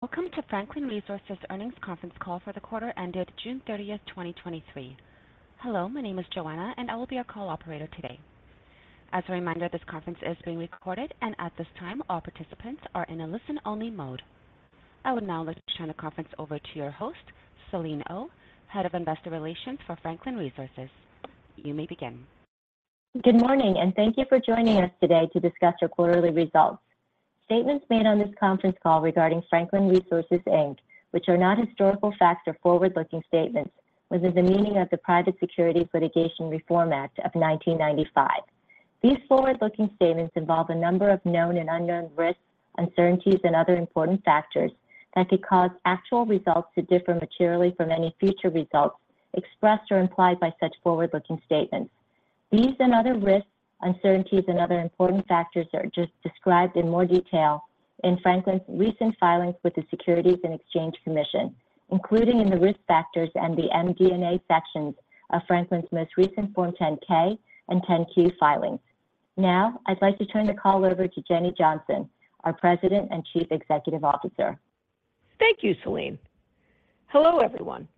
Welcome to Franklin Resources Earnings Conference Call for the quarter ended June 30th, 2023. Hello, my name is Joanna, and I will be your call operator today. As a reminder, this conference is being recorded and at this time all participants are in a listen-only mode. I would now like to turn the conference over to your host, Selene Oh, Head of Investor Relations for Franklin Resources. You may begin. Good morning, thank you for joining us today to discuss our quarterly results. Statements made on this conference call regarding Franklin Resources, Inc., which are not historical facts or forward-looking statements within the meaning of the Private Securities Litigation Reform Act of 1995. These forward-looking statements involve a number of known and unknown risks, uncertainties, and other important factors that could cause actual results to differ materially from any future results expressed or implied by such forward-looking statements. These other risks, uncertainties, and other important factors are just described in more detail in Franklin's recent filings with the Securities and Exchange Commission, including in the Risk Factors and the MD&A sections of Franklin's most recent Form 10-K and 10-Q filings. I'd like to turn the call over to Jenny Johnson, our President and Chief Executive Officer. Thank you, Selene. Hello, everyone,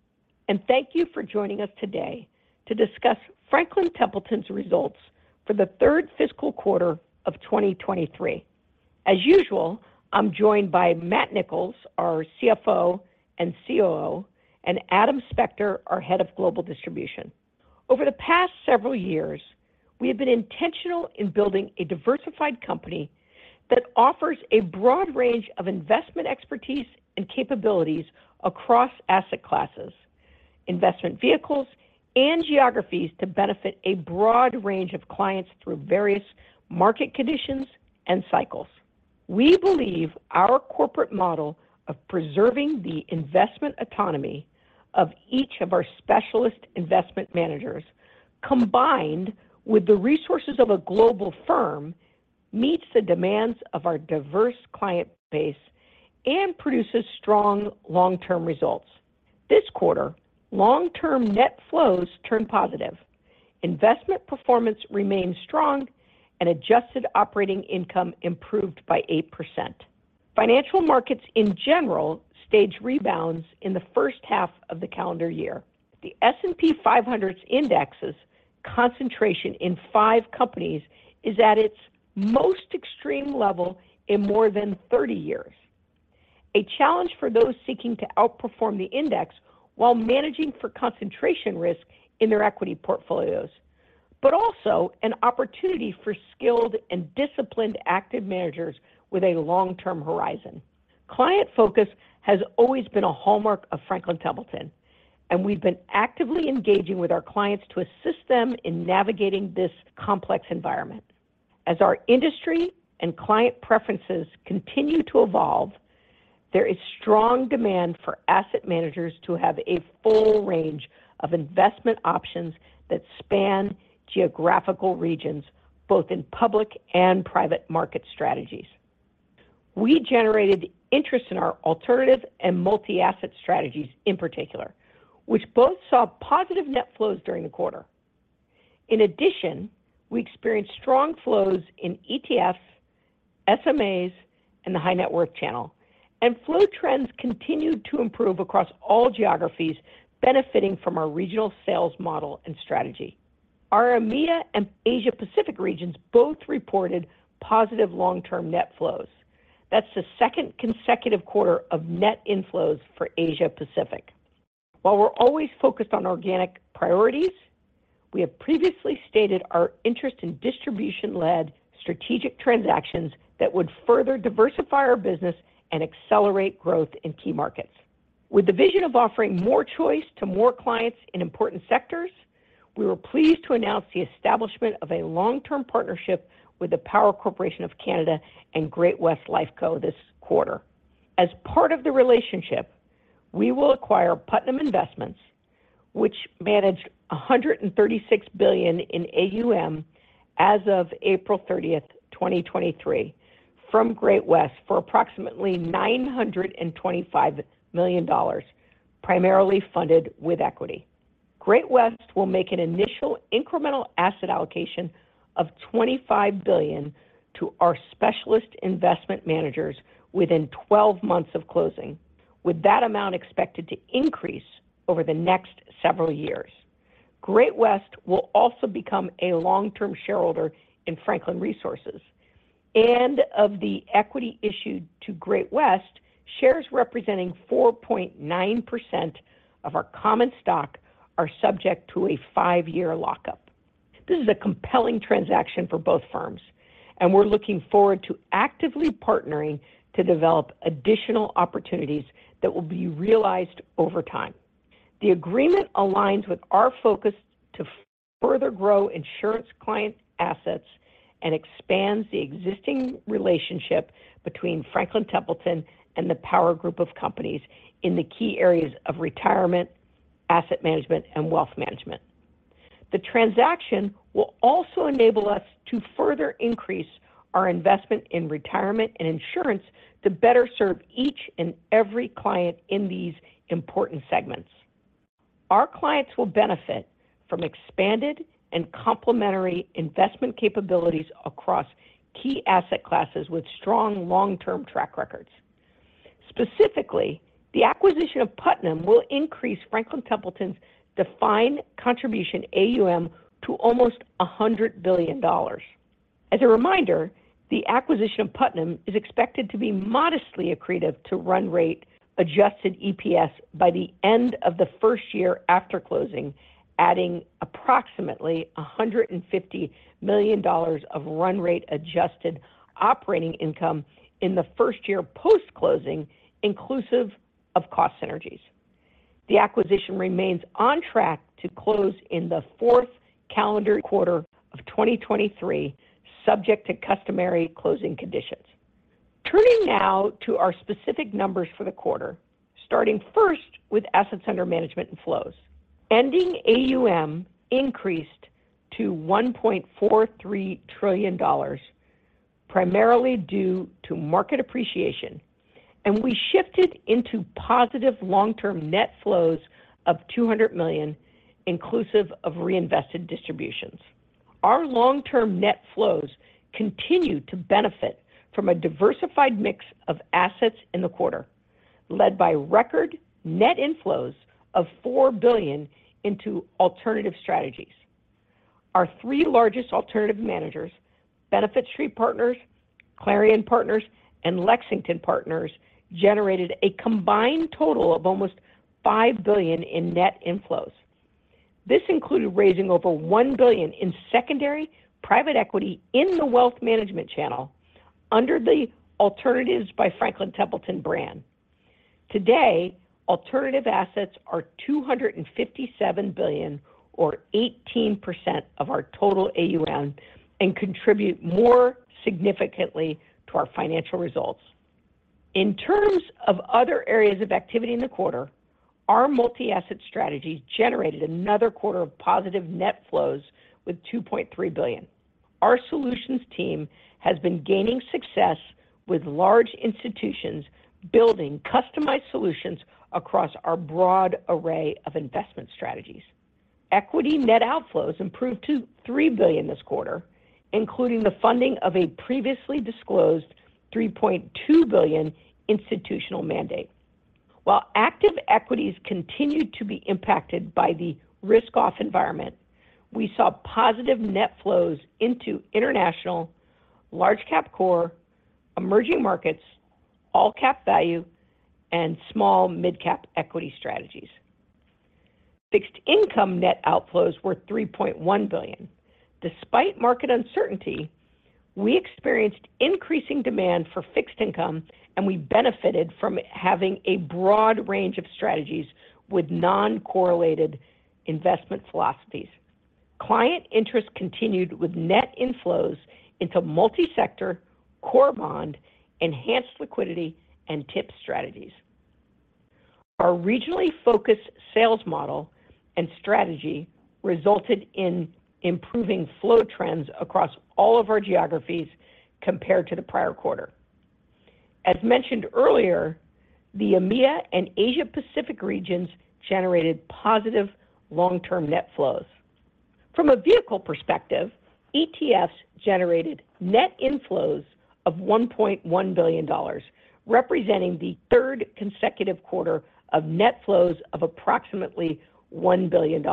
and thank you for joining us today to discuss Franklin Templeton's results for the 3rd fiscal quarter of 2023. As usual, I'm joined by Matt Nicholls, our CFO and COO, and Adam Spector, our Head of Global Distribution. Over the past several years, we have been intentional in building a diversified company that offers a broad range of investment expertise and capabilities across asset classes, investment vehicles, and geographies to benefit a broad range of clients through various market conditions and cycles. We believe our corporate model of preserving the investment autonomy of each of our Specialist Investment Managers, combined with the resources of a global firm, meets the demands of our diverse client base and produces strong long-term results. This quarter, long-term net flows turned positive. Investment performance remained strong and adjusted operating income improved by 8%. Financial markets in general, staged rebounds in the first half of the calendar year. The S&P 500 index's concentration in five companies is at its most extreme level in more than 30 years. A challenge for those seeking to outperform the index while managing for concentration risk in their equity portfolios. Also an opportunity for skilled and disciplined active managers with a long-term horizon. Client focus has always been a hallmark of Franklin Templeton. We've been actively engaging with our clients to assist them in navigating this complex environment. As our industry and client preferences continue to evolve, there is strong demand for asset managers to have a full range of investment options that span geographical regions, both in public and private market strategies. We generated interest in our alternative and multi-asset strategies in particular, which both saw positive net flows during the quarter. In addition, we experienced strong flows in ETFs, SMAs, and the high net worth channel, and flow trends continued to improve across all geographies benefiting from our regional sales model and strategy. Our EMEA and Asia Pacific regions both reported positive long-term net flows. That's the second consecutive quarter of net inflows for Asia Pacific. While we're always focused on organic priorities, we have previously stated our interest in distribution-led strategic transactions that would further diversify our business and accelerate growth in key markets. With the vision of offering more choice to more clients in important sectors, we were pleased to announce the establishment of a long-term partnership with the Power Corporation of Canada and Great-West Lifeco this quarter. As part of the relationship, we will acquire Putnam Investments, which managed $136 billion in AUM as of April 30, 2023, from Great-West for approximately $925 million, primarily funded with equity. Great-West will make an initial incremental asset allocation of $25 billion to our Specialist Investment Managers within 12 months of closing, with that amount expected to increase over the next several years. Great-West will also become a long-term shareholder in Franklin Resources, and of the equity issued to Great-West, shares representing 4.9% of our common stock are subject to a 5-year lockup. This is a compelling transaction for both firms, and we're looking forward to actively partnering to develop additional opportunities that will be realized over time. The agreement aligns with our focus to further grow insurance client assets and expands the existing relationship between Franklin Templeton and the Power Group of Companies in the key areas of retirement, asset management, and wealth management. The transaction will also enable us to further increase our investment in retirement and insurance to better serve each and every client in these important segments. Our clients will benefit from expanded and complementary investment capabilities across key asset classes with strong long-term track records. Specifically, the acquisition of Putnam will increase Franklin Templeton's defined contribution AUM to almost $100 billion. As a reminder, the acquisition of Putnam is expected to be modestly accretive to run rate adjusted EPS by the end of the first year after closing, adding approximately $150 million of run rate adjusted operating income in the first year post-closing, inclusive of cost synergies. The acquisition remains on track to close in the fourth calendar quarter of 2023, subject to customary closing conditions. Turning now to our specific numbers for the quarter, starting first with assets under management and flows. Ending AUM increased to $1.43 trillion, primarily due to market appreciation, and we shifted into positive long-term net flows of $200 million, inclusive of reinvested distributions. Our long-term net flows continued to benefit from a diversified mix of assets in the quarter, led by record net inflows of $4 billion into alternative strategies. Our three largest alternative managers, Benefit Street Partners, Clarion Partners, and Lexington Partners, generated a combined total of almost $5 billion in net inflows. This included raising over $1 billion in secondary private equity in the wealth management channel under the Alternatives by Franklin Templeton brand. Today, alternative assets are $257 billion or 18% of our total AUM and contribute more significantly to our financial results. In terms of other areas of activity in the quarter, our multi-asset strategies generated another quarter of positive net flows with $2.3 billion. Our solutions team has been gaining success with large institutions building customized solutions across our broad array of investment strategies. Equity net outflows improved to $3 billion this quarter, including the funding of a previously disclosed $3.2 billion institutional mandate. While active equities continued to be impacted by the risk-off environment, we saw positive net flows into international, large cap core, emerging markets, all cap value, and small midcap equity strategies. Fixed income net outflows were $3.1 billion. Despite market uncertainty, we experienced increasing demand for fixed income, and we benefited from having a broad range of strategies with non-correlated investment philosophies. Client interest continued with net inflows into multi-sector, core bond, enhanced liquidity, and tip strategies. Our regionally focused sales model and strategy resulted in improving flow trends across all of our geographies compared to the prior quarter. As mentioned earlier, the EMEA and Asia Pacific regions generated positive long-term net flows. From a vehicle perspective, ETFs generated net inflows of $1.1 billion, representing the third consecutive quarter of net flows of approximately $1 billion,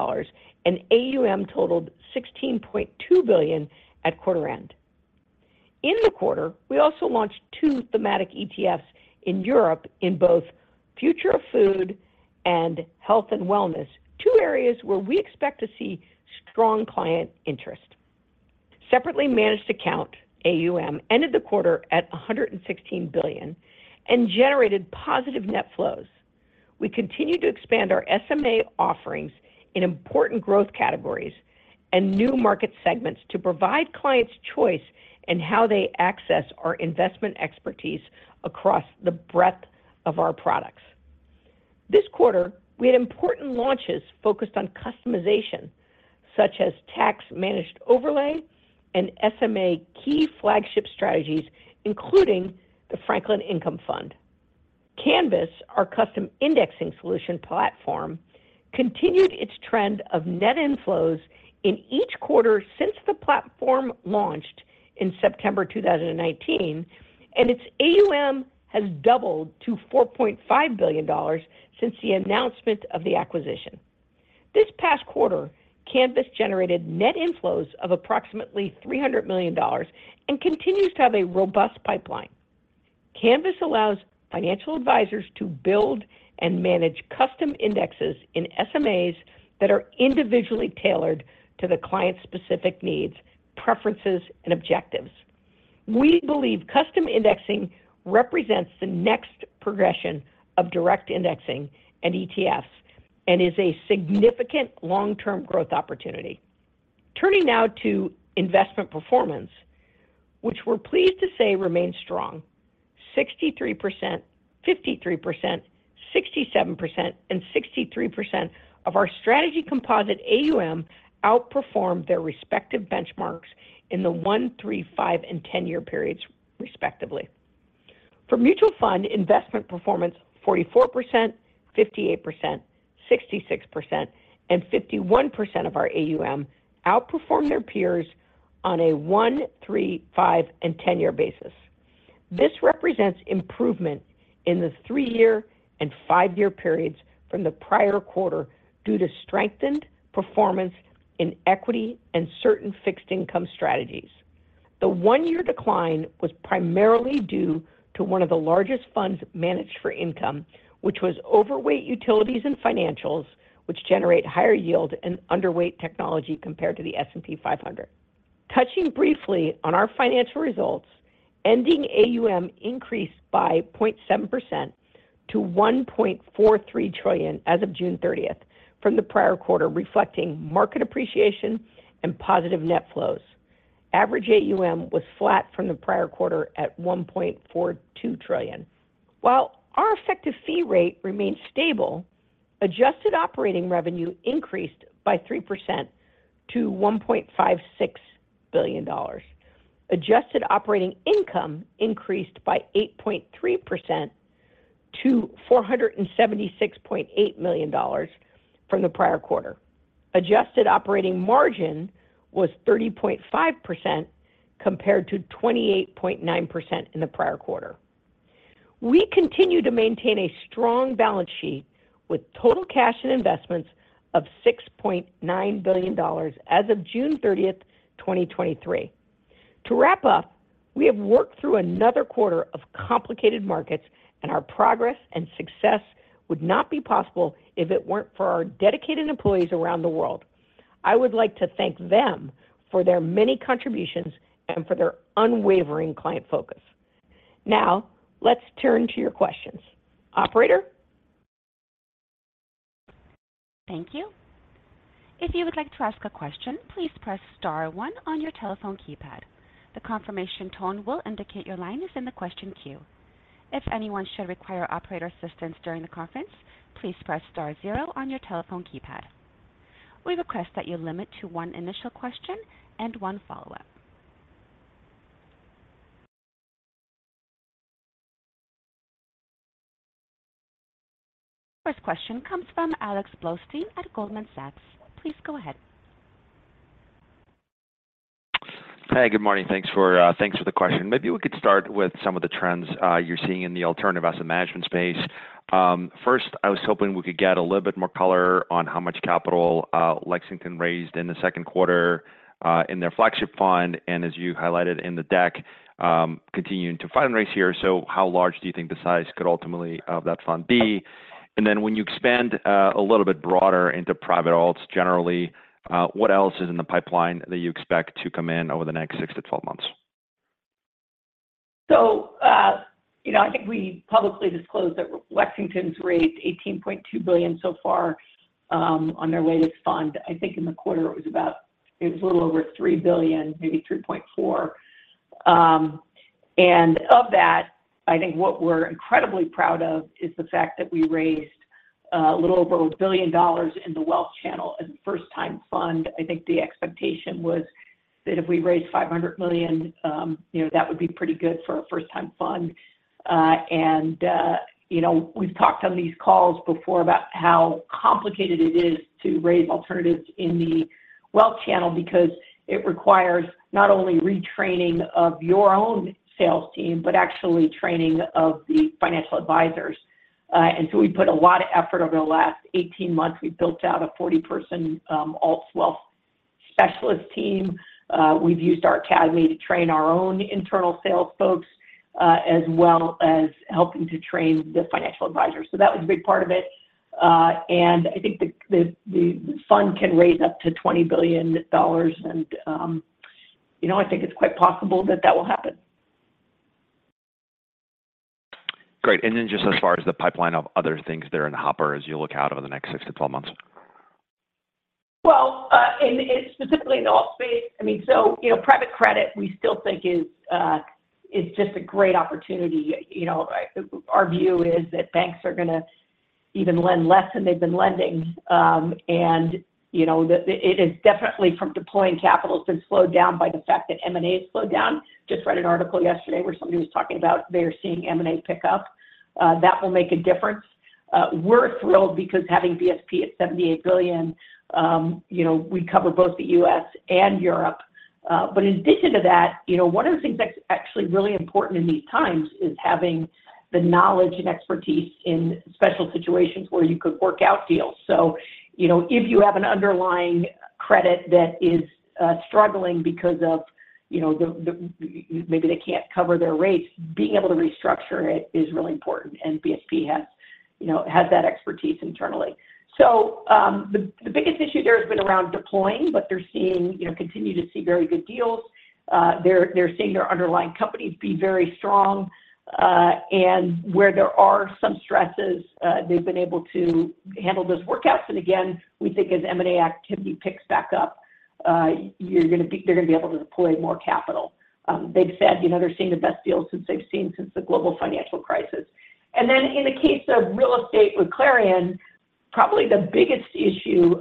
and AUM totaled $16.2 billion at quarter end. In the quarter, we also launched 2 thematic ETFs in Europe in both future of food and health and wellness, 2 areas where we expect to see strong client interest. Separately Managed Account AUM ended the quarter at $116 billion and generated positive net flows. We continue to expand our SMA offerings in important growth categories and new market segments to provide clients choice in how they access our investment expertise across the breadth of our products. This quarter, we had important launches focused on customization, such as tax-managed overlay and SMA key flagship strategies, including the Franklin Income Fund. Canvas, our custom indexing solution platform, continued its trend of net inflows in each quarter since the platform launched in September 2019, and its AUM has doubled to $4.5 billion since the announcement of the acquisition. This past quarter, Canvas generated net inflows of approximately $300 million and continues to have a robust pipeline. Canvas allows financial advisors to build and manage custom indexes in SMAs that are individually tailored to the client's specific needs, preferences, and objectives. We believe custom indexing represents the next progression of direct indexing and ETFs and is a significant long-term growth opportunity. Turning now to investment performance, which we're pleased to say remains strong. 63%, 53%, 67%, and 63% of our strategy composite AUM outperformed their respective benchmarks in the 1, 3, 5, and 10-year periods, respectively. For mutual fund investment performance, 44%, 58%, 66%, and 51% of our AUM outperformed their peers on a 1, 3, 5, and 10-year basis. This represents improvement in the 3-year and 5-year periods from the prior quarter due to strengthened performance in equity and certain fixed income strategies. The 1-year decline was primarily due to one of the largest funds managed for income, which was overweight utilities and financials, which generate higher yield and underweight technology compared to the S&P 500. Touching briefly on our financial results, ending AUM increased by 0.7% to $1.43 trillion as of June 30th from the prior quarter, reflecting market appreciation and positive net flows. Average AUM was flat from the prior quarter at $1.42 trillion. While our effective fee rate remains stable, adjusted operating revenue increased by 3% to $1.56 billion. Adjusted operating income increased by 8.3% to $476.8 million from the prior quarter. Adjusted operating margin was 30.5%, compared to 28.9% in the prior quarter. We continue to maintain a strong balance sheet with total cash and investments of $6.9 billion as of June 30, 2023. To wrap up, we have worked through another quarter of complicated markets, our progress and success would not be possible if it weren't for our dedicated employees around the world. I would like to thank them for their many contributions and for their unwavering client focus. Let's turn to your questions. Operator? Thank you. If you would like to ask a question, please press star one on your telephone keypad. The confirmation tone will indicate your line is in the question queue. If anyone should require operator assistance during the conference, please press star zero on your telephone keypad. We request that you limit to one initial question and one follow-up. First question comes from Alexander Blostein at Goldman Sachs. Please go ahead. Hey, good morning. Thanks for, thanks for the question. Maybe we could start with some of the trends you're seeing in the alternative asset management space. First, I was hoping we could get a little bit more color on how much capital Lexington raised in the second quarter in their flagship fund, and as you highlighted in the deck, continuing to fundraise here. How large do you think the size could ultimately of that fund be? When you expand a little bit broader into private alts, generally, what else is in the pipeline that you expect to come in over the next 6-12 months? You know, I think we publicly disclosed that Lexington's raised $18.2 billion so far on their latest fund. I think in the quarter, it was about. It was a little over $3 billion, maybe $3.4 billion. Of that, I think what we're incredibly proud of is the fact that we raised a little over $1 billion in the wealth channel and first-time fund. I think the expectation was that if we raised $500 million, you know, that would be pretty good for a first-time fund. You know, we've talked on these calls before about how complicated it is to raise alternatives in the wealth channel because it requires not only retraining of your own sales team, but actually training of the financial advisors. We put a lot of effort over the last 18 months. We built out a 40-person, Alts Wealth specialist team. We've used our academy to train our own internal sales folks, as well as helping to train the financial advisors. That was a big part of it. I think the, the, the fund can raise up to $20 billion and, you know, I think it's quite possible that that will happen. Great. Then just as far as the pipeline of other things that are in the hopper as you look out over the next 6-12 months? In specifically in the alt space, I mean, so, you know, private credit, we still think is just a great opportunity. You know, our view is that banks are gonna even lend less than they've been lending. You know, it is definitely from deploying capital, it's been slowed down by the fact that M&A has slowed down. Just read an article yesterday where somebody was talking about they are seeing M&A pick up. That will make a difference. We're thrilled because having BSP at $78 billion, you know, we cover both the U.S. and Europe. In addition to that, you know, one of the things that's actually really important in these times is having the knowledge and expertise in special situations where you could work out deals. You know, if you have an underlying credit that is struggling because of, you know, the, the, maybe they can't cover their rates, being able to restructure it is really important, and BSP has, you know, has that expertise internally. The, the biggest issue there has been around deploying, but they're seeing, you know, continue to see very good deals. They're, they're seeing their underlying companies be very strong, and where there are some stresses, they've been able to handle those workouts. Again, we think as M&A activity picks back up, they're gonna be able to deploy more capital. They've said, you know, they're seeing the best deals since they've seen since the global financial crisis. In the case of real estate with Clarion, probably the biggest issue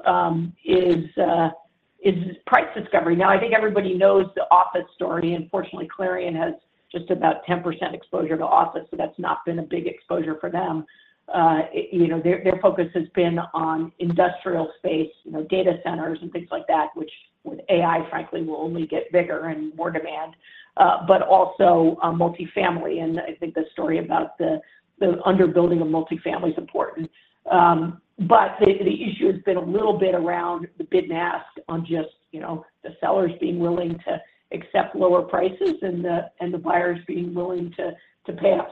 is price discovery. I think everybody knows the office story. Unfortunately, Clarion has just about 10% exposure to office, so that's not been a big exposure for them. You know, their, their focus has been on industrial space, you know, data centers, and things like that, which with AI, frankly, will only get bigger and more demand, but also, multifamily. I think the story about the, the underbuilding of multifamily is important. The, the issue has been a little bit around the bid and ask on just, you know, the sellers being willing to accept lower prices and the, and the buyers being willing to, to pay up.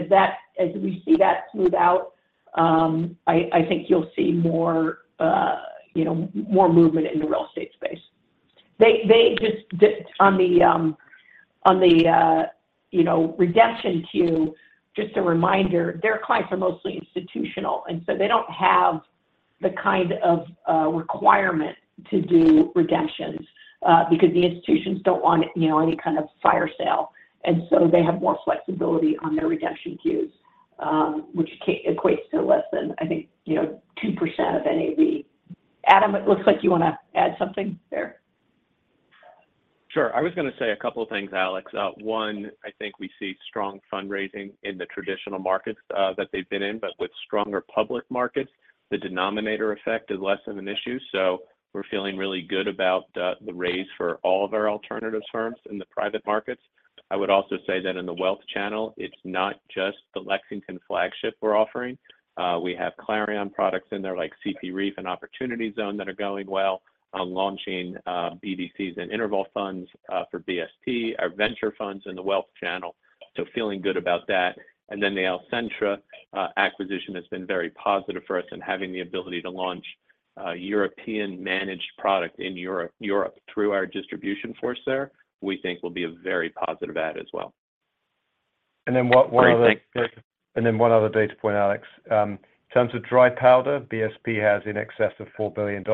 As we see that smooth out, I, I think you'll see more, you know, more movement in the real estate space. They, they just the, on the, you know, redemption queue, just a reminder, their clients are mostly institutional, and so they don't have the kind of, requirement to do redemptions, because the institutions don't want, you know, any kind of fire sale, and so they have more flexibility on their redemption queues, which equates to less than, I think, you know, 2% of AAV. Adam, it looks like you wanna add something there? Sure. I was gonna say a couple of things, Alex. One, I think we see strong fundraising in the traditional markets that they've been in, but with stronger public markets, the denominator effect is less of an issue, so we're feeling really good about the, the raise for all of our alternatives firms in the private markets. I would also say that in the wealth channel, it's not just the Lexington flagship we're offering. We have Clarion products in there, like CPREIF and Opportunity Zone, that are going well. Launching BDCs and interval funds for BSP, our venture funds in the wealth channel, so feeling good about that. Then the Alcentra acquisition has been very positive for us, and having the ability to launch a European-managed product in Europe, Europe through our distribution force there, we think will be a very positive add as well. Then one, one other- Great, thanks. One other data point, Alex. In terms of dry powder, BSP has in excess of $4 billion,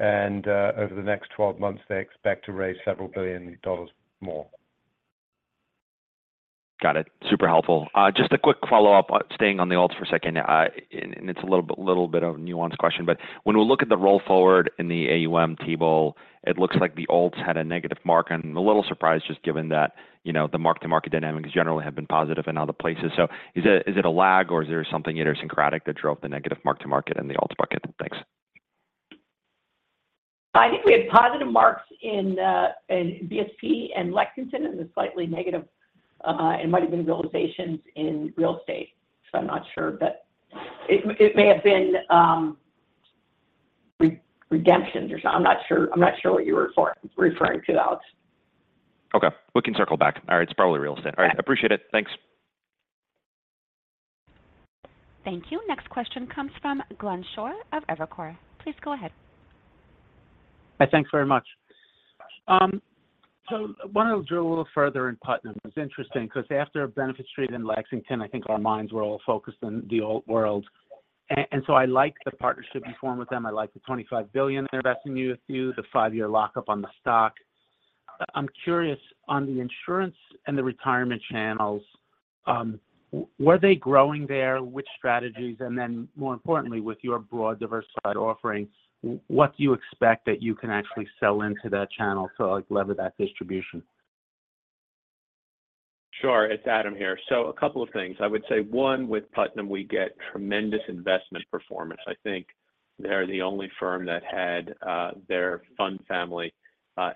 and over the next 12 months, they expect to raise several billion dollars more. Got it. Super helpful. Just a quick follow-up, staying on the alts for a second. It's a little bit of a nuanced question, but when we look at the roll forward in the AUM table, it looks like the alts had a negative mark, and I'm a little surprised, just given that, you know, the mark-to-market dynamics generally have been positive in other places. Is it a lag, or is there something idiosyncratic that drove the negative mark to market in the alts bucket? Thanks. I think we had positive marks in, in BSP and Lexington, and the slightly negative, it might have been realizations in real estate. I'm not sure, but it may have been redemption or something. I'm not sure. I'm not sure what you were referring to, Alex. Okay. We can circle back. All right, it's probably real estate. Okay. All right, I appreciate it. Thanks. Thank you. Next question comes from Glenn Schorr of Evercore. Please go ahead. Hi, thanks very much. I wanted to drill a little further in Putnam. It's interesting because after Benefit Street and Lexington, I think our minds were all focused on the old world. I like the partnership you formed with them. I like the $25 billion they're investing you, with you, the 5-year lockup on the stock. I'm curious, on the insurance and the retirement channels, were they growing there? Which strategies? Then, more importantly, with your broad, diverse side offerings, what do you expect that you can actually sell into that channel to, like, lever that distribution? Sure. It's Adam here. A couple of things. I would say, one, with Putnam, we get tremendous investment performance. I think they're the only firm that had their fund family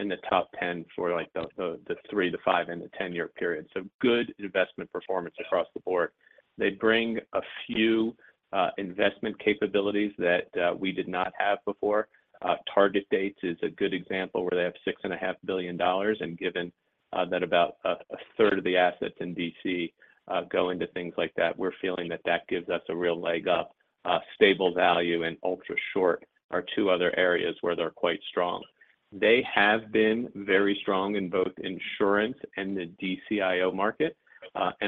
in the top 10 for, like, the 3-5 and the 10-year period. Good investment performance across the board. They bring a few investment capabilities that we did not have before. Target dates is a good example, where they have $6.5 billion, and given that about a third of the assets in DC go into things like that, we're feeling that that gives us a real leg up. Stable value and ultra short are two other areas where they're quite strong. They have been very strong in both insurance and the DCIO market.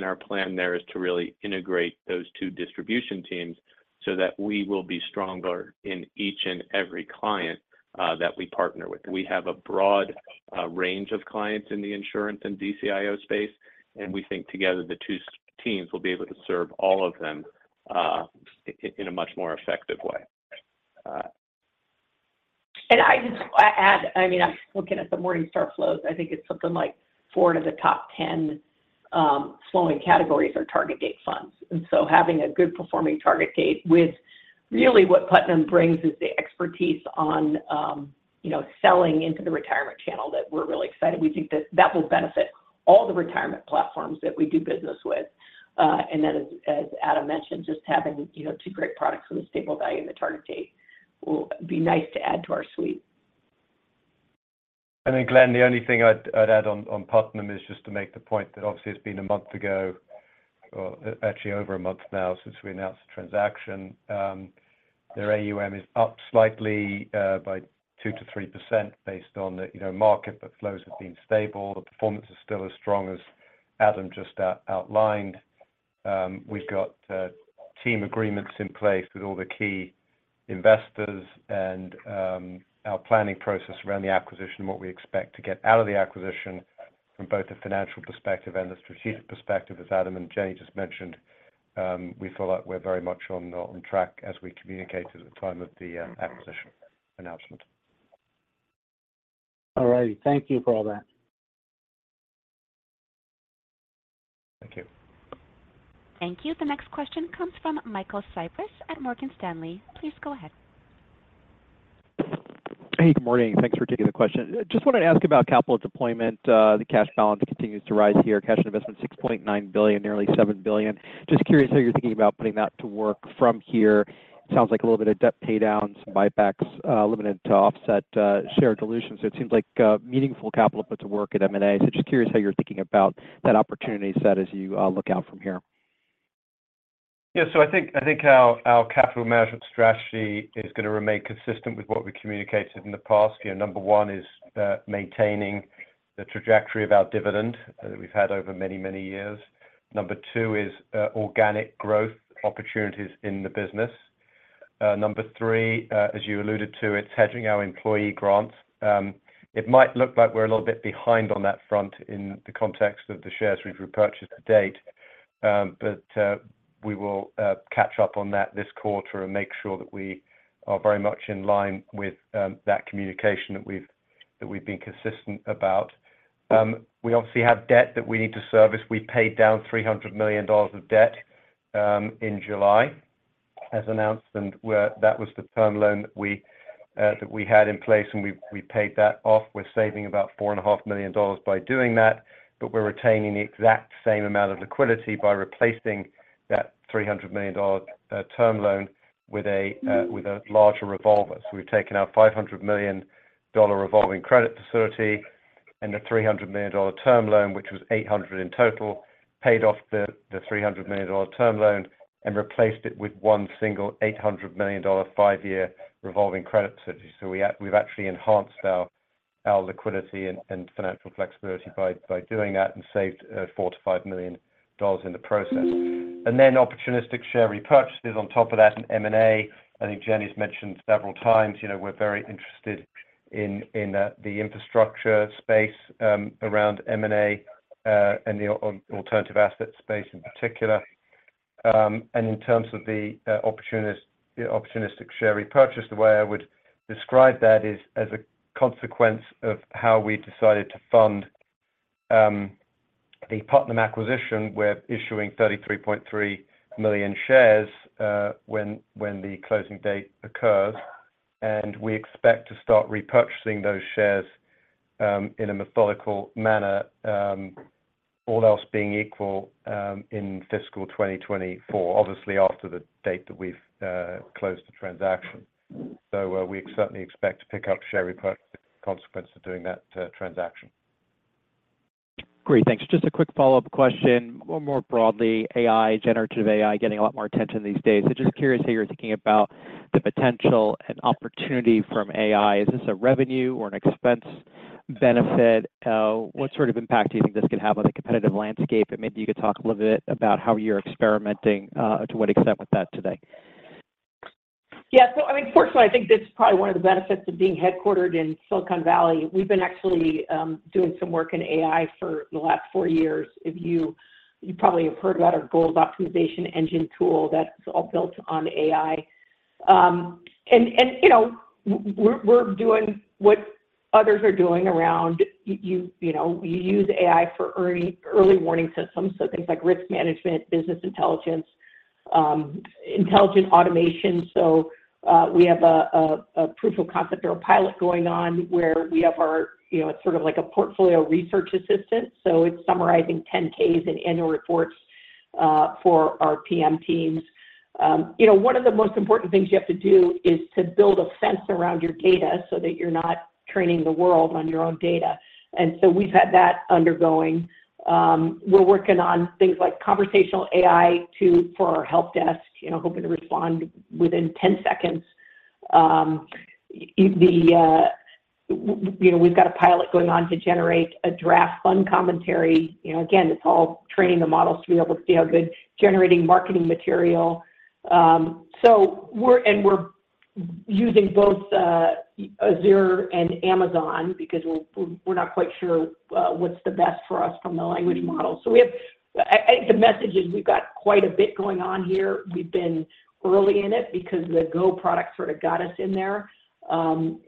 Our plan there is to really integrate those two distribution teams so that we will be stronger in each and every client that we partner with. We have a broad range of clients in the insurance and DCIO space, and we think together, the two teams will be able to serve all of them in a much more effective way. I just, I mean, I'm looking at the Morningstar flows. I think it's something like four of the top 10 flowing categories are target date funds. Having a good performing target date with really what Putnam brings is the expertise on, you know, selling into the retirement channel that we're really excited. We think that that will benefit all the retirement platforms that we do business with. Then as, as Adam mentioned, just having, you know, two great products from the stable value and the target date will be nice to add to our suite. Glenn, the only thing I'd add on Putnam is just to make the point that obviously it's been a month ago, or actually over a month now, since we announced the transaction. Their AUM is up slightly by 2%-3% based on the, you know, market, but flows have been stable. The performance is still as strong as Adam just outlined. We've got team agreements in place with all the key investors and our planning process around the acquisition, and what we expect to get out of the acquisition from both a financial perspective and a strategic perspective, as Adam and Jenny just mentioned, we feel like we're very much on track as we communicated at the time of the acquisition announcement. All righty. Thank you for all that. Thank you. Thank you. The next question comes from Michael Cyprys at Morgan Stanley. Please go ahead. Hey, good morning. Thanks for taking the question. Just wanted to ask about capital deployment. The cash balance continues to rise here. Cash investment, $6.9 billion, nearly $7 billion. Just curious how you're thinking about putting that to work from here. Sounds like a little bit of debt paydowns, buybacks, limited to offset share dilutions. It seems like a meaningful capital put to work at M&A. Just curious how you're thinking about that opportunity set as you look out from here. Yeah. I think, I think our, our capital management strategy is gonna remain consistent with what we communicated in the past. You know, number one is maintaining the trajectory of our dividend that we've had over many, many years. Number two is organic growth opportunities in the business. Number three, as you alluded to, it's hedging our employee grants. It might look like we're a little bit behind on that front in the context of the shares we've repurchased to date, but we will catch up on that this quarter and make sure that we are very much in line with that communication that we've, that we've been consistent about. We obviously have debt that we need to service. We paid down $300 million of debt in July, as announced, and where that was the term loan that we had in place, and we, we paid that off. We're saving about $4.5 million by doing that, but we're retaining the exact same amount of liquidity by replacing that $300 million term loan with a larger revolver. We've taken our $500 million revolving credit facility and the $300 million term loan, which was $800 million in total, paid off the $300 million term loan and replaced it with 1 single $800 million 5-year revolving credit facility. We've actually enhanced our liquidity and financial flexibility by doing that and saved $4 million-$5 million in the process. Then opportunistic share repurchases on top of that in M&A. I think Jenny mentioned several times, you know, we're very interested in, in, the infrastructure space, around M&A, and the alternative asset space in particular. In terms of the opportunistic share repurchase, the way I would describe that is as a consequence of how we decided to fund the Putnam acquisition. We're issuing 33.3 million shares, when, when the closing date occurs, and we expect to start repurchasing those shares, in a methodical manner, all else being equal, in fiscal 2024, obviously after the date that we've closed the transaction. We certainly expect to pick up share repurchase consequence of doing that transaction. Great. Thanks. Just a quick follow-up question. More broadly, AI, generative AI, getting a lot more attention these days. So just curious how you're thinking about the potential and opportunity from AI. Is this a revenue or an expense benefit? What sort of impact do you think this could have on the competitive landscape? Maybe you could talk a little bit about how you're experimenting to what extent with that today. Yeah, so I mean, fortunately, I think this is probably one of the benefits of being headquartered in Silicon Valley. We've been actually doing some work in AI for the last four years. You probably have heard about our Goals Optimization Engine tool that's all built on AI. You know, we're, we're doing what others are doing around you know, we use AI for early, early warning systems, so things like risk management, business intelligence, intelligent automation. We have a proof of concept or a pilot going on where we have our You know, it's sort of like a portfolio research assistant, so it's summarizing 10-K's in annual reports for our PM teams. You know, one of the most important things you have to do is to build a fence around your data so that you're not training the world on your own data. We've had that undergoing. We're working on things like conversational AI, too, for our help desk, you know, hoping to respond within 10 seconds. We've got a pilot going on to generate a draft fund commentary. You know, again, it's all training the models to be able to see how good generating marketing material. We're using both Azure and Amazon because we're, we're not quite sure what's the best for us from the language model. I, I think the message is we've got quite a bit going on here. We've been early in it because the Go product sort of got us in there, and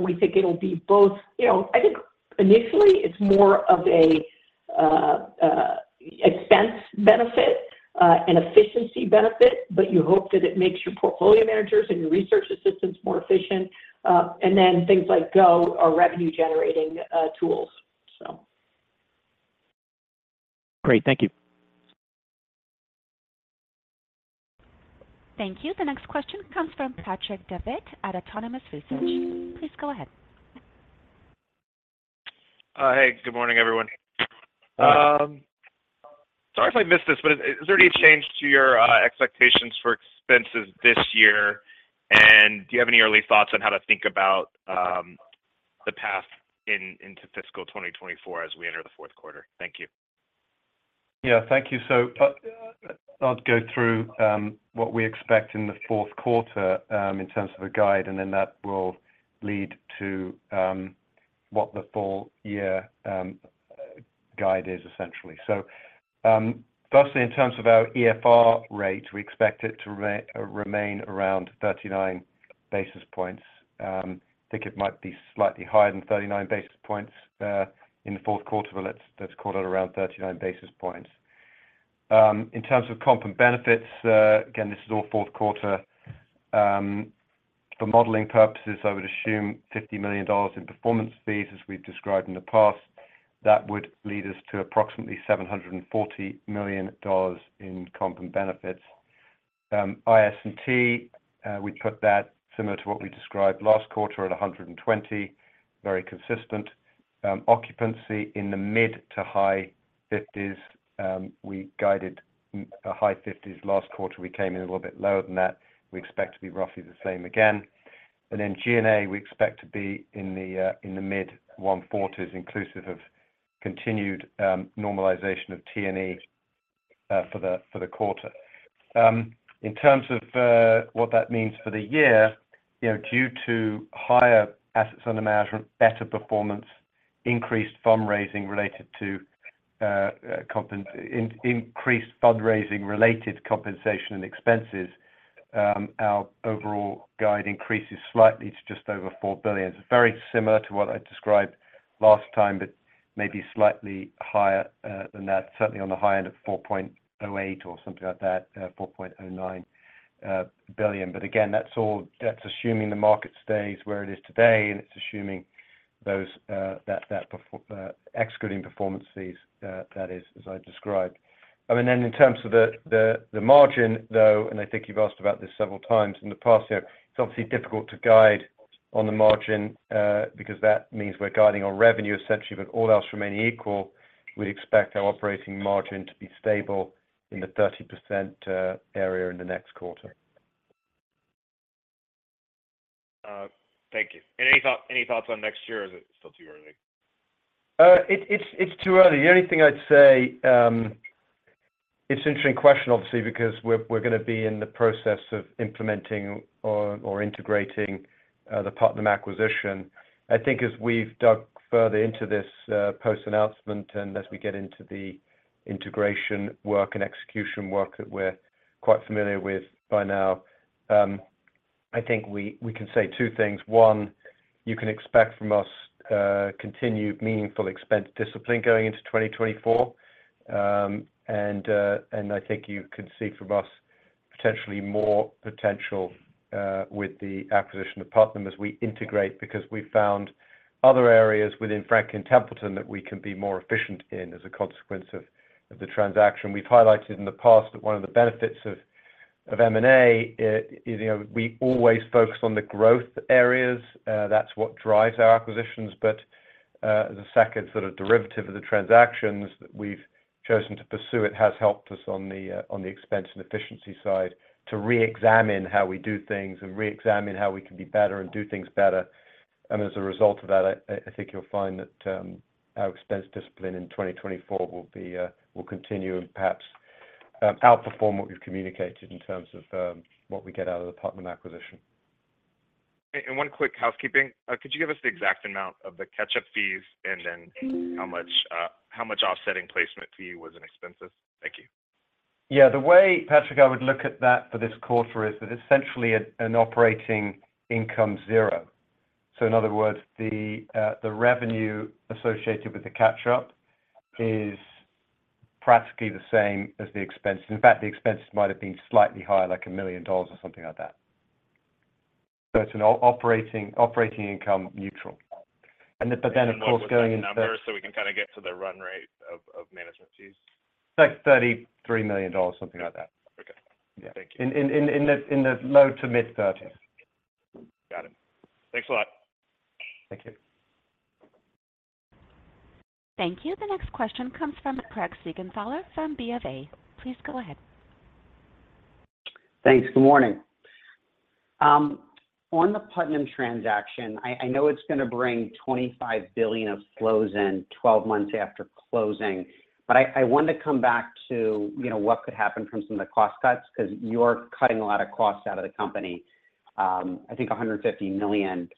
we think it'll be both. You know, I think initially it's more of an expense benefit, an efficiency benefit, but you hope that it makes your portfolio managers and your research assistants more efficient, and then things like Go are revenue-generating tools. Great. Thank you. Thank you. The next question comes from Patrick Davitt at Autonomous Research. Please go ahead. Hey, good morning, everyone. Sorry if I missed this, but has there been any change to your expectations for expenses this year, and do you have any early thoughts on how to think about the path in, into fiscal 2024 as we enter the fourth quarter? Thank you. Yeah, thank you. I'll go through what we expect in the fourth quarter in terms of a guide, and then that will lead to what the full year guide is essentially. Firstly, in terms of our AFR rate, we expect it to remain around 39 basis points. I think it might be slightly higher than 39 basis points in the fourth quarter, but let's call it around 39 basis points. In terms of comp and benefits, again, this is all fourth quarter. For modeling purposes, I would assume $50 million in performance fees, as we've described in the past. That would lead us to approximately $740 million in comp and benefits. IS&T, we put that similar to what we described last quarter at 120, very consistent. Occupancy in the mid to high 50s. We guided a high 50s last quarter. We came in a little bit lower than that. We expect to be roughly the same again. G&A, we expect to be in the mid $140s, inclusive of continued normalization of T&A for the quarter. In terms of what that means for the year, you know, due to higher assets under management, better performance, increased fundraising related compensation and expenses, our overall guide increases slightly to just over $4 billion. Very similar to what I described last time, but maybe slightly higher, than that, certainly on the high end of $4.08 or something like that, $4.09 billion. Again, that's all- that's assuming the market stays where it is today, and it's assuming those, that perform... Excluding performance fees, that is, as I described. I mean, then in terms of the margin, though, and I think you've asked about this several times in the past here, it's obviously difficult to guide on the margin, because that means we're guiding on revenue essentially, but all else remaining equal, we expect our operating margin to be stable in the 30% area in the next quarter. Thank you. Any thought, any thoughts on next year, or is it still too early? It, it's, it's too early. The only thing I'd say, it's an interesting question, obviously, because we're, we're going to be in the process of implementing or, or integrating the Putnam acquisition. I think as we've dug further into this, post-announcement and as we get into the integration work and execution work that we're quite familiar with by now, I think we, we can say two things. One, you can expect from us, continued meaningful expense discipline going into 2024. I think you can see from us potentially more potential with the acquisition of Putnam as we integrate, because we found other areas within Franklin Templeton that we can be more efficient in as a consequence of, of the transaction. We've highlighted in the past that one of the benefits of M&A is, you know, we always focus on the growth areas. That's what drives our acquisitions. The second sort of derivative of the transactions that we've chosen to pursue, it has helped us on the expense and efficiency side, to reexamine how we do things and reexamine how we can be better and do things better. As a result of that, I, I think you'll find that our expense discipline in 2024 will be, will continue and perhaps, outperform what we've communicated in terms of what we get out of the Putnam acquisition. One quick housekeeping. Could you give us the exact amount of the catch-up fees and then how much offsetting placement fee was in expenses? Thank you. Yeah, the way, Patrick, I would look at that for this quarter is that essentially an operating income zero. In other words, the revenue associated with the catch-up is practically the same as the expenses. In fact, the expenses might have been slightly higher, like $1 million or something like that. It's an operating income neutral. Of course, going- We can kind of get to the run rate of management fees. Like $33 million, something like that. Okay. Yeah. Thank you. In the low to mid 30s. Got it. Thanks a lot. Thank you. Thank you. The next question comes from Craig Siegenthaler from BofA. Please go ahead. Thanks. Good morning. On the Putnam transaction, I, I know it's going to bring $25 billion of flows in 12 months after closing. I, I want to come back to, you know, what could happen from some of the cost cuts, because you're cutting a lot of costs out of the company, I think $150 million.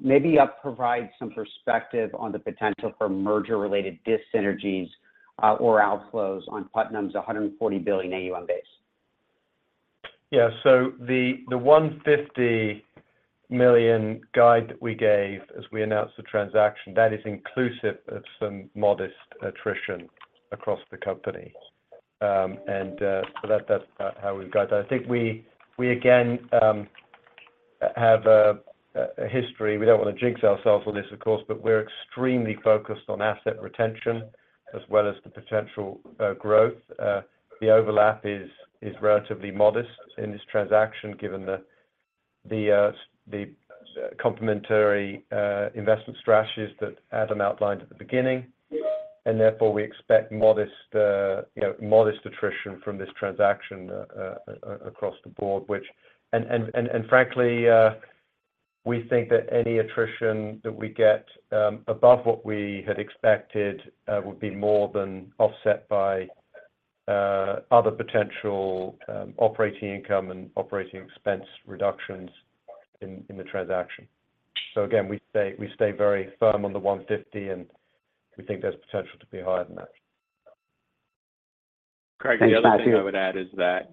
Maybe, provide some perspective on the potential for merger-related dyssynergies, or outflows on Putnam's $140 billion AUM base. Yeah, the $150 million guide that we gave as we announced the transaction, that is inclusive of some modest attrition across the company. That, that's how we've got that. I think we, we again, have a history. We don't want to jinx ourselves on this, of course, but we're extremely focused on asset retention as well as the potential growth. The overlap is, is relatively modest in this transaction, given the, the complementary investment strategies that Adam outlined at the beginning. Therefore, we expect modest, you know, modest attrition from this transaction across the board, which frankly. We think that any attrition that we get, above what we had expected, would be more than offset by, other potential, operating income and operating expense reductions in, in the transaction. Again, we stay, we stay very firm on the 150, and we think there's potential to be higher than that. Craig, the other thing I would add is that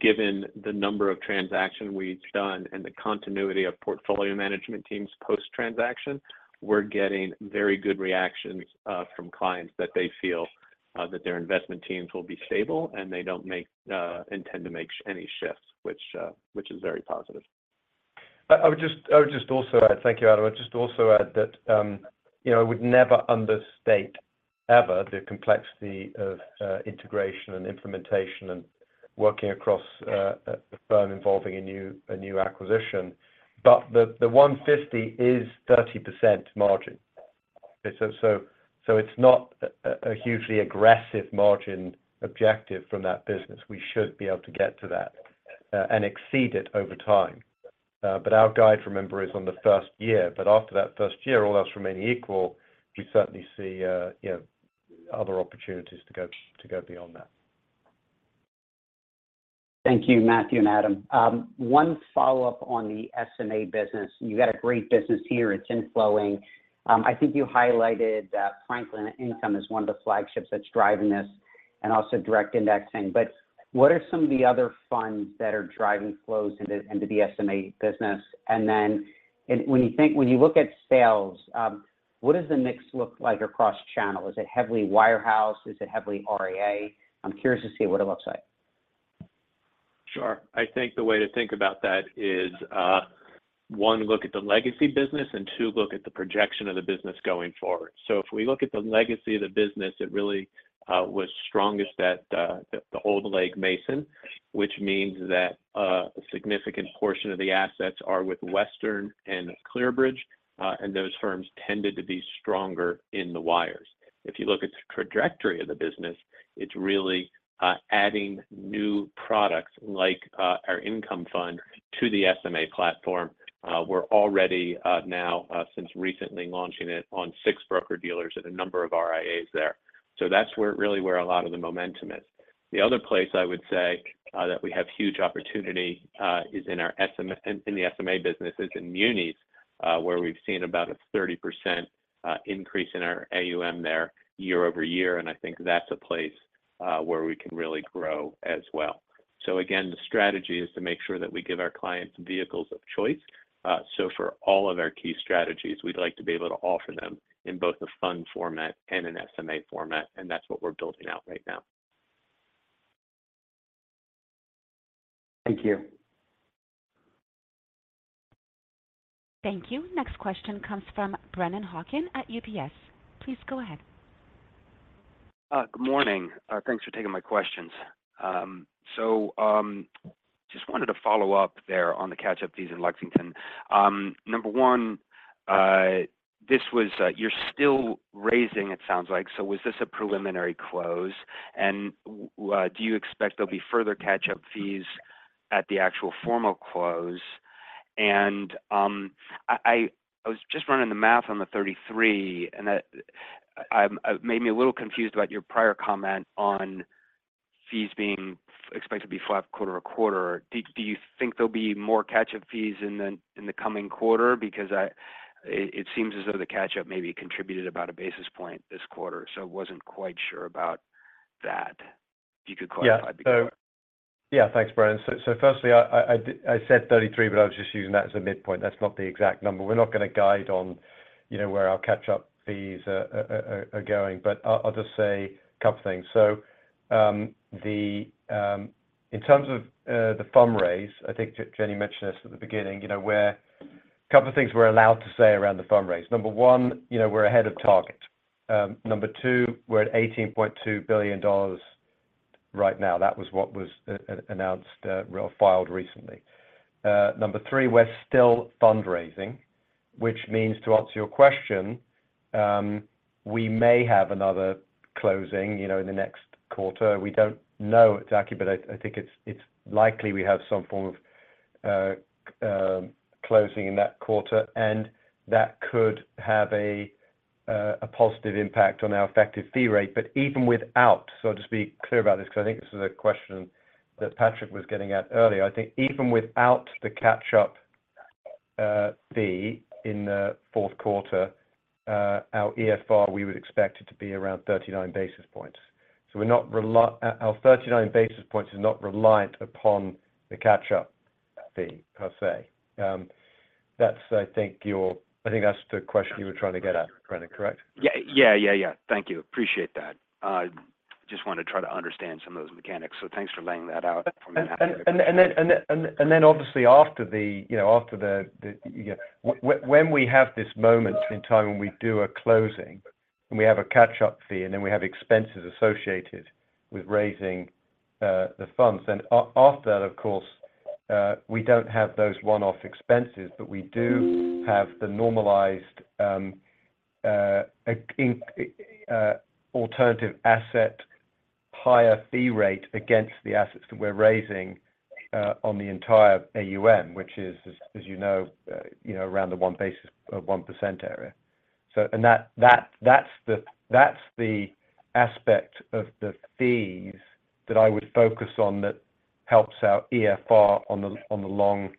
given the number of transaction we've done and the continuity of portfolio management teams post-transaction, we're getting very good reactions from clients that they feel that their investment teams will be stable, and they don't make intend to make any shifts, which which is very positive. Thank you, Adam. I would just also add that, you know, I would never understate, ever, the complexity of integration and implementation and working across a firm involving a new, a new acquisition. The 150 is 30% margin. Okay, so, so, so it's not a hugely aggressive margin objective from that business. We should be able to get to that and exceed it over time. Our guide, remember, is on the first year. After that first year, all else remaining equal, we certainly see, you know, other opportunities to go, to go beyond that. Thank you, Matthew and Adam. One follow-up on the SMA business. You got a great business here. It's inflowing. I think you highlighted that Franklin Income Fund is one of the flagships that's driving this and also direct indexing. What are some of the other funds that are driving flows into the SMA business? When you look at sales, what does the mix look like across channel? Is it heavily wirehouse? Is it heavily RIA? I'm curious to see what it looks like. Sure. I think the way to think about that is, one, look at the legacy business, and two, look at the projection of the business going forward. If we look at the legacy of the business, it really was strongest at the old Legg Mason, which means that a significant portion of the assets are with Western and ClearBridge, and those firms tended to be stronger in the wires. If you look at the trajectory of the business, it's really adding new products like our income fund to the SMA platform. We're already now since recently launching it on six broker-dealers and a number of RIAs there. That's where really where a lot of the momentum is. The other place I would say that we have huge opportunity is in our in, in the SMA business, is in munis, where we've seen about a 30% increase in our AUM there year-over-year, and I think that's a place where we can really grow as well. Again, the strategy is to make sure that we give our clients vehicles of choice. For all of our key strategies, we'd like to be able to offer them in both a fund format and an SMA format, and that's what we're building out right now. Thank you. Thank you. Next question comes from Brennan Hawken at UBS. Please go ahead. Good morning. Thanks for taking my questions. So, just wanted to follow up there on the catch-up fees in Lexington. Number one, this was, you're still raising, it sounds like. And do you expect there'll be further catch-up fees at the actual formal close? And I was just running the math on the 33, and that made me a little confused about your prior comment on fees being expected to be flat quarter-over-quarter. Do you think there'll be more catch-up fees in the coming quarter? Because it seems as though the catch-up maybe contributed about a basis point this quarter, so wasn't quite sure about that. If you could clarify. Yeah. Yeah, thanks, Brennan. Firstly, I, I, I did-- I said 33, but I was just using that as a midpoint. That's not the exact number. We're not going to guide on, you know, where our catch-up fees are going, but I'll just say a couple things. In terms of the fundraise, I think Jenny mentioned this at the beginning, you know, where a couple of things we're allowed to say around the fundraise. Number one, you know, we're ahead of target. Number two, we're at $18.2 billion right now. That was what was announced or filed recently. Number three, we're still fundraising, which means, to answer your question, we may have another closing, you know, in the next quarter. We don't know exactly, but I think it's likely we have some form of closing in that quarter, and that could have a positive impact on our effective fee rate. Even without, just to be clear about this, because I think this is a question that Patrick was getting at earlier. I think even without the catch-up fee in the fourth quarter, our EFR, we would expect it to be around 39 basis points. We're not, our 39 basis points is not reliant upon the catch-up fee, per say. That's I think I think that's the question you were trying to get at, Brennan, correct? Yeah. Yeah, yeah, yeah. Thank you. Appreciate that. Just wanted to try to understand some of those mechanics, so thanks for laying that out for me. Then obviously, after the, you know, after the moment in time when we do a closing, and we have a catch-up fee, and then we have expenses associated with raising the funds, after that, of course, we don't have those one-off expenses, but we do have the normalized alternative asset higher fee rate against the assets that we're raising, on the entire AUM, which is, as, as you know, you know, around the one basis of 1% area. That, that, that's the, that's the aspect of the fees that I would focus on that helps out EFR on the, on the long,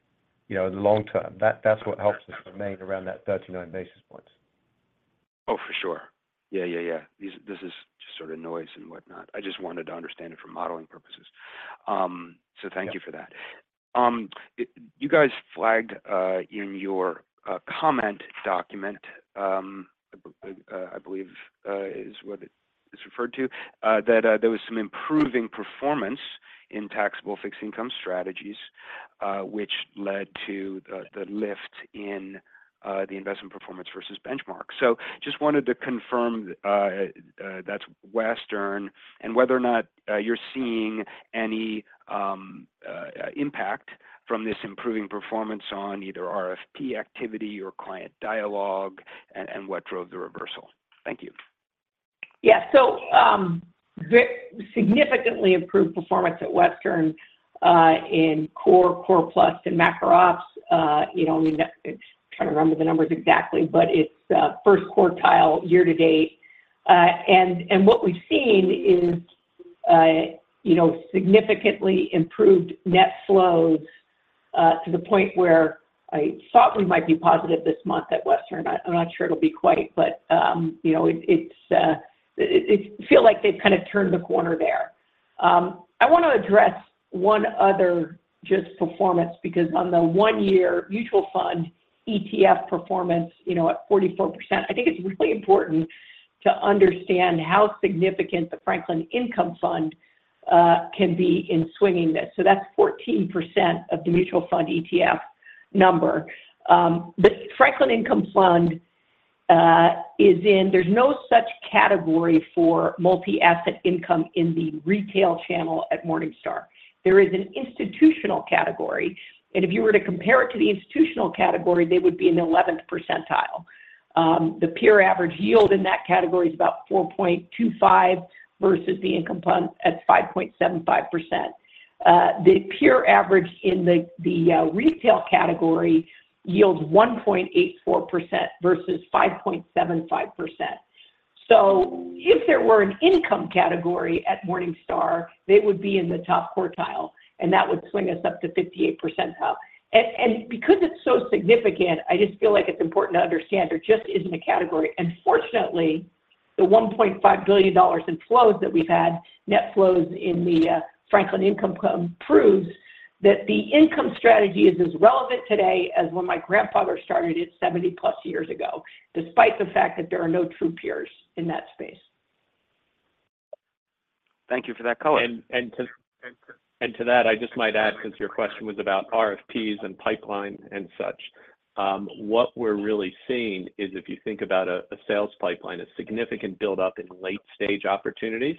you know, the long term. That, that's what helps us remain around that 39 basis points. Oh, for sure. Yeah, yeah, yeah. This is just sort of noise and whatnot. I just wanted to understand it for modeling purposes. Thank you for that. Yeah. You guys flagged in your comment document, I believe is what it is referred to, that there was some improving performance in taxable fixed income strategies, which led to the lift in the investment performance versus benchmark. Just wanted to confirm that's Western, and whether or not you're seeing any impact from this improving performance on either RFP activity or client dialogue, and what drove the reversal? Thank you. Yeah. Significantly improved performance at Western, in core, Core Plus and macro ops. You know, I mean, trying to remember the numbers exactly, but it's first quartile year to date. What we've seen is, you know, significantly improved net flows to the point where I thought we might be positive this month at Western. I, I'm not sure it'll be quite, but, you know, it, it's, it, it feel like they've kind of turned the corner there. I wanna address one other just performance, because on the one year mutual fund, ETF performance, you know, at 44%, I think it's really important to understand how significant the Franklin Income Fund can be in swinging this. That's 14% of the mutual fund ETF number. The Franklin Income Fund, there's no such category for multi-asset income in the retail channel at Morningstar. There is an institutional category. If you were to compare it to the institutional category, they would be in the 11th percentile. The peer average yield in that category is about 4.25, versus the Income Fund at 5.75%. The peer average in the retail category yields 1.84% versus 5.75%. If there were an income category at Morningstar, they would be in the top quartile, and that would swing us up to 58th percentile. Because it's so significant, I just feel like it's important to understand there just isn't a category. Fortunately, the $1.5 billion in flows that we've had, net flows in the Franklin Income Fund, proves that the income strategy is as relevant today as when my grandfather started it 70+ years ago, despite the fact that there are no true peers in that space. Thank you for that color. To that, I just might add, since your question was about RFPs and pipeline and such, what we're really seeing is, if you think about a sales pipeline, a significant buildup in late stage opportunities.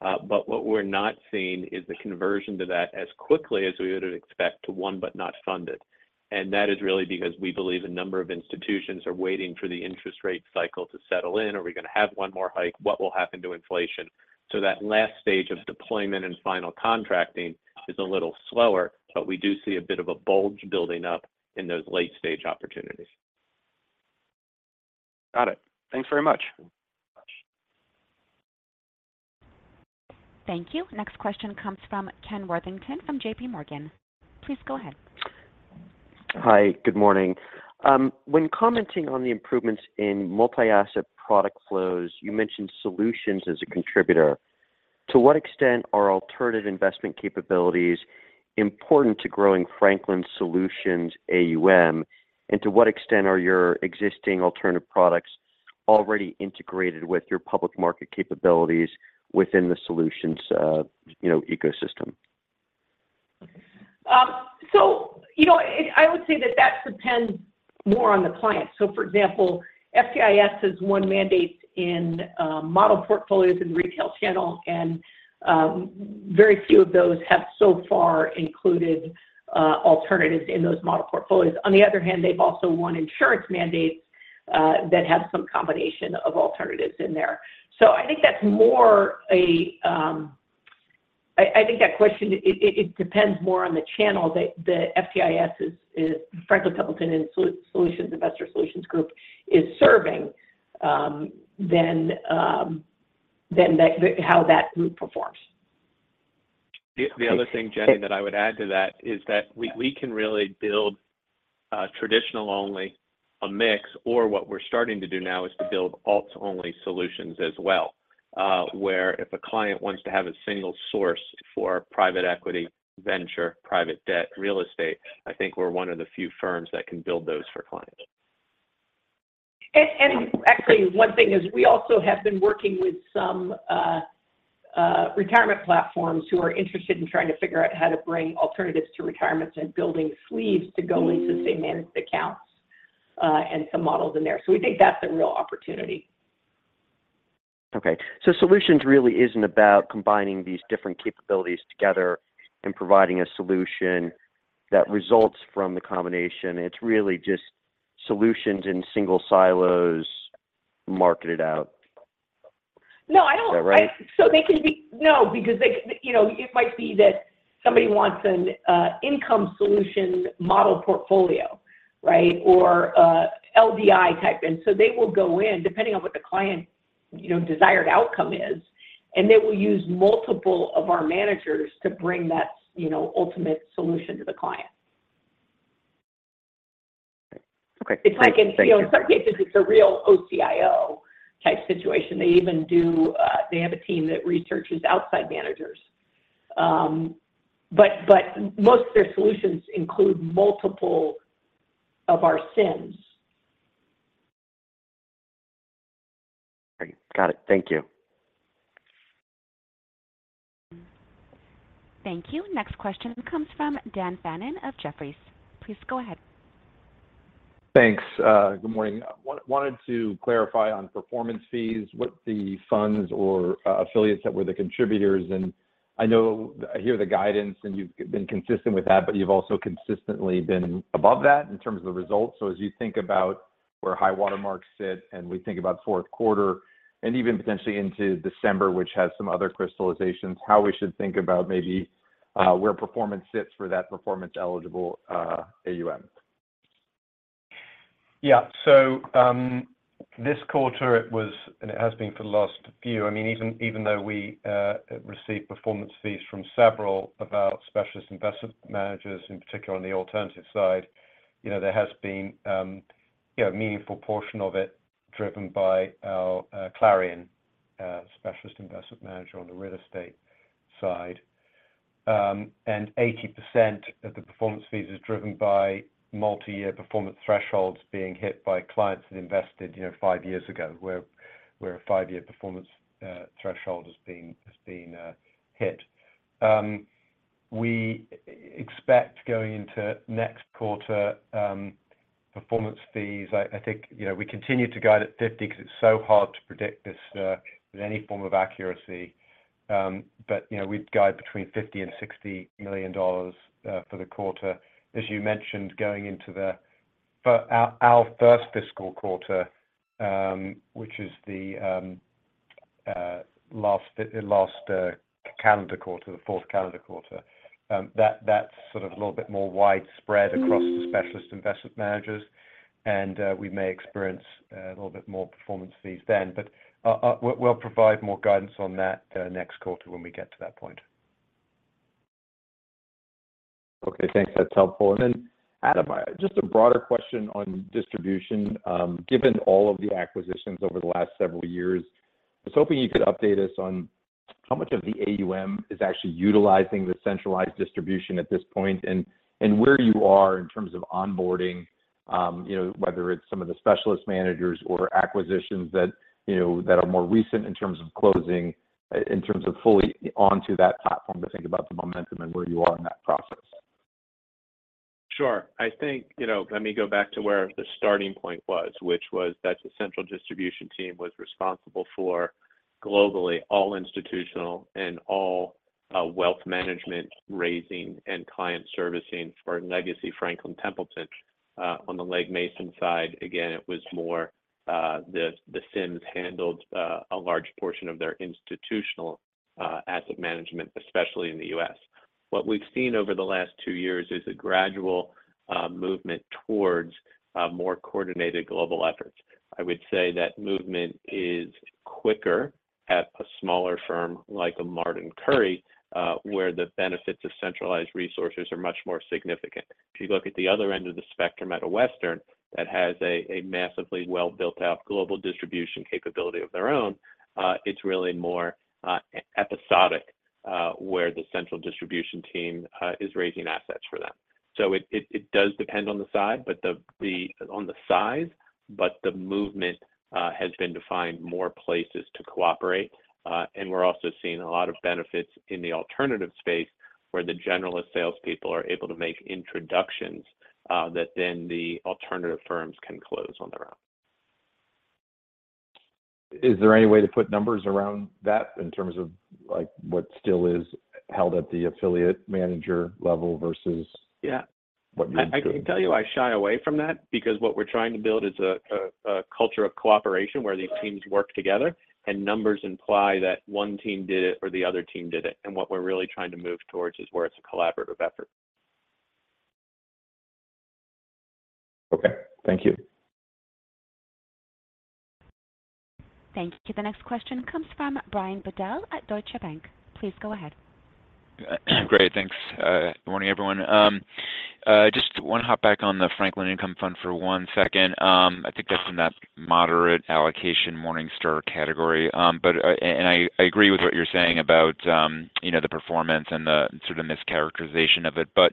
What we're not seeing is the conversion to that as quickly as we would expect to won but not funded. That is really because we believe a number of institutions are waiting for the interest rate cycle to settle in. Are we gonna have one more hike? What will happen to inflation? That last stage of deployment and final contracting is a little slower, but we do see a bit of a bulge building up in those late stage opportunities. Got it. Thanks very much. Thank you. Next question comes from Kenneth Worthington from JPMorgan. Please go ahead. Hi, good morning. When commenting on the improvements in multi-asset product flows, you mentioned solutions as a contributor. To what extent are alternative investment capabilities important to growing Franklin Solutions AUM? To what extent are your existing alternative products already integrated with your public market capabilities within the solutions, you know, ecosystem? You know, I would say that that depends more on the client. For example, FTIS has won mandates in model portfolios in the retail channel, and very few of those have so far included alternatives in those model portfolios. On the other hand, they've also won insurance mandates that have some combination of alternatives in there. I think that's more a... I, I think that question, it, it, it depends more on the channel that FTIS is Franklin Templeton Investment Solutions is serving than that how that group performs. The, the other thing, Jenny, that I would add to that, is that we, we can really build, traditional only, a mix, or what we're starting to do now is to build alts only solutions as well, where if a client wants to have a single source for private equity, venture, private debt, real estate, I think we're one of the few firms that can build those for clients. Actually, one thing is we also have been working with some retirement platforms who are interested in trying to figure out how to bring alternatives to retirement and building sleeves to go into say, managed accounts and some models in there. We think that's a real opportunity. Okay. Solutions really isn't about combining these different capabilities together and providing a solution that results from the combination. It's really solutions in single silos marketed out? No, I don't- Is that right? You know, it might be that somebody wants an income solution model portfolio, right? Or a LDI type in. They will go in, depending on what the client, you know, desired outcome is, and they will use multiple of our managers to bring that, you know, ultimate solution to the client. Okay, thank you. It's like in, you know, in some cases, it's a real OCIO type situation. They even do. They have a team that researches outside managers. Most of their solutions include multiple of our SIMs. Great. Got it. Thank you. Thank you. Next question comes from Dan Fannon of Jefferies. Please go ahead. Thanks. Good morning. Wanted to clarify on performance fees, what the funds or affiliates that were the contributors, and I know, I hear the guidance, and you've been consistent with that, but you've also consistently been above that in terms of the results. As you think about where high water marks sit, and we think about fourth quarter and even potentially into December, which has some other crystallizations, how we should think about maybe where performance sits for that performance-eligible AUM? Yeah. This quarter it was, and it has been for the last few, I mean, even, even though we received performance fees from several of our specialist investment managers, in particular on the alternative side, you know, there has been, you know, a meaningful portion of it driven by our Clarion specialist investment manager on the real estate side. 80% of the performance fees is driven by multi-year performance thresholds being hit by clients that invested, you know, 5 years ago, where a 5-year performance threshold has been hit. We expect going into next quarter, performance fees, I think, you know, we continue to guide at 50 because it's so hard to predict this with any form of accuracy. You know, we'd guide between $50 million and $60 million for the quarter. As you mentioned, going into our first fiscal quarter, which is the last last calendar quarter, the fourth calendar quarter, that's sort of a little bit more widespread across the Specialist Investment Managers, and we may experience a little bit more performance fees then. We'll, we'll provide more guidance on that next quarter when we get to that point. Okay, thanks. That's helpful. Then, Adam, just a broader question on distribution. Given all of the acquisitions over the last several years, I was hoping you could update us on how much of the AUM is actually utilizing the centralized distribution at this point, and, and where you are in terms of onboarding, you know, whether it's some of the specialist managers or acquisitions that, you know, that are more recent in terms of closing, in terms of fully onto that platform, to think about the momentum and where you are in that process? Sure. I think, you know, let me go back to where the starting point was, which was that the central distribution team was responsible for globally, all institutional and all wealth management, raising, and client servicing for legacy Franklin Templeton. On the Legg Mason side, again, it was more the, the SIMS handled a large portion of their institutional asset management, especially in the U.S. What we've seen over the last two years is a gradual movement towards more coordinated global efforts. I would say that movement is quicker at a smaller firm like a Martin Currie, where the benefits of centralized resources are much more significant. If you look at the other end of the spectrum, at a Western, that has a massively well-built-out global distribution capability of their own, it's really more episodic, where the central distribution team is raising assets for them. It does depend on the side, but on the size, but the movement has been to find more places to cooperate. We're also seeing a lot of benefits in the alternative space, where the generalist salespeople are able to make introductions, that then the alternative firms can close on their own. Is there any way to put numbers around that in terms of, like, what still is held at the affiliate manager level versus-? Yeah. What moves. I can tell you, I shy away from that because what we're trying to build is a culture of cooperation, where these teams work together. Numbers imply that one team did it or the other team did it. What we're really trying to move towards is where it's a collaborative effort. Okay. Thank you. Thank you. The next question comes from Brian Bedell at Deutsche Bank. Please go ahead. Great. Thanks. Good morning, everyone. Just want to hop back on the Franklin Income Fund for one second. I think that's in that moderate allocation Morningstar category. I, I agree with what you're saying about, you know, the performance and the sort of mischaracterization of it, but,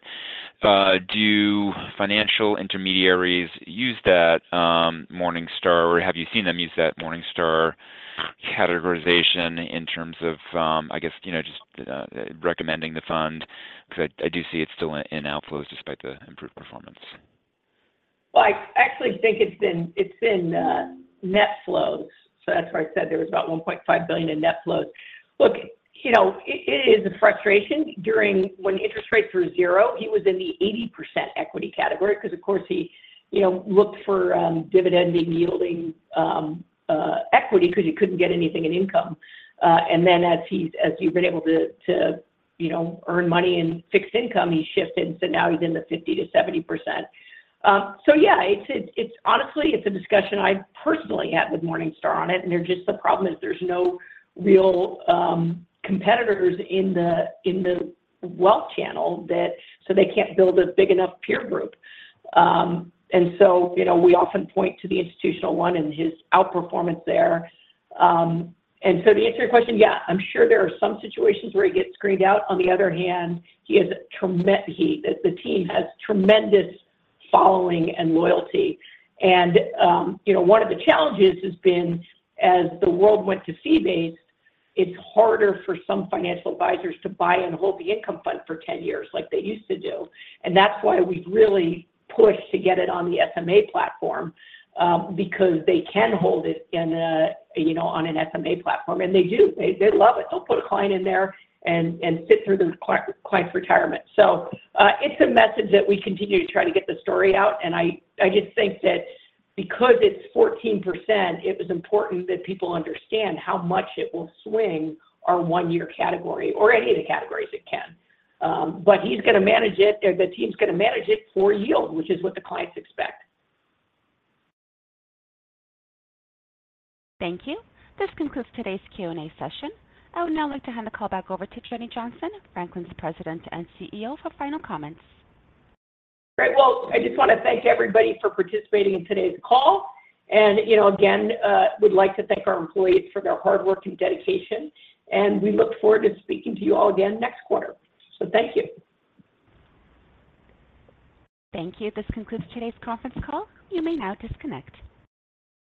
do financial intermediaries use that Morningstar, or have you seen them use that Morningstar categorization in terms of, I guess, you know, just, recommending the fund? Because I, I do see it's still in inflows despite the improved performance. Well, I actually think it's been, it's been, net flows. That's why I said there was about $1.5 billion in net flows. Look, you know, it, it is a frustration. When interest rates were zero, he was in the 80% equity category, because of course, he, you know, looked for, dividend-yielding, equity because he couldn't get anything in income. As he's, as we've been able to, to, you know, earn money in fixed income, he shifted. Now he's in the 50%-70%. Yeah, it's, it's honestly, it's a discussion I personally had with Morningstar on it, and they're just the problem is there's no real, competitors in the, in the wealth channel that so they can't build a big enough peer group. So, you know, we often point to the institutional one and his outperformance there. So to answer your question, yeah, I'm sure there are some situations where he gets screened out. On the other hand, he has a he, the, the team has tremendous following and loyalty. You know, one of the challenges has been as the world went to fee-based, it's harder for some financial advisors to buy and hold the Income Fund for 10 years like they used to do. That's why we really pushed to get it on the SMA platform, because they can hold it in a, you know, on an SMA platform, and they do. They, they love it. They'll put a client in there and, and sit through the client's retirement. It's a message that we continue to try to get the story out, and I, I just think that because it's 14%, it is important that people understand how much it will swing our 1-year category or any of the categories it can. He's going to manage it, or the team's going to manage it for yield, which is what the clients expect. Thank you. This concludes today's Q&A session. I would now like to hand the call back over to Jenny Johnson, Franklin's President and CEO, for final comments. Great. Well, I just want to thank everybody for participating in today's call, and, you know, again, we'd like to thank our employees for their hard work and dedication, and we look forward to speaking to you all again next quarter. Thank you. Thank you. This concludes today's conference call. You may now disconnect.